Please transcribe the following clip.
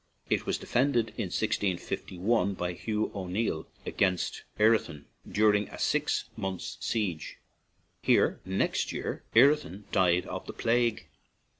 It was defended in 1651 by Hugh O'Neill against Ireton, during a six months' siege. Here, next year, Ireton died of the plague.